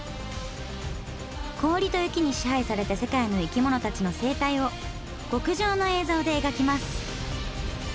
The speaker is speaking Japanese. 氷と雪に支配された世界の生き物たちの生態を極上の映像で描きます！